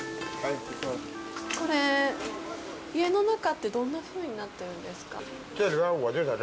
これ、家の中って、どんなふうになってるんですか。